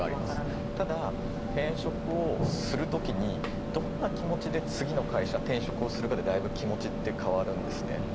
ただ転職をする時にどんな気持ちで次の会社転職をするかでだいぶ気持ちって変わるんですね。